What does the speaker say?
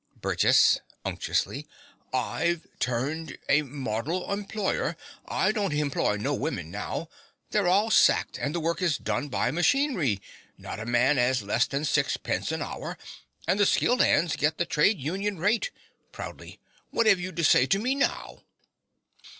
BURGESS (unctuously). I've turned a moddle hemployer. I don't hemploy no women now: they're all sacked; and the work is done by machinery. Not a man 'as less than sixpence a hour; and the skilled 'ands gits the Trade Union rate. (Proudly.) What 'ave you to say to me now?